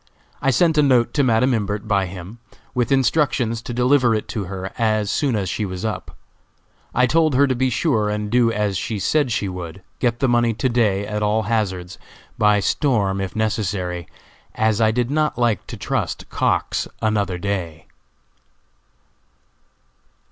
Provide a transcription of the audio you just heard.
I sent a note to Madam Imbert by him, with instructions to deliver it to her as soon as she was up. I told her to be sure and do as she said she would get the money to day at all hazards by storm, if necessary, as I did not like to trust Cox another day.